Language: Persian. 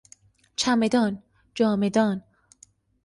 چمدان، جامهدان